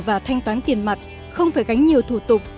và thanh toán tiền mặt không phải gánh nhiều thủ tục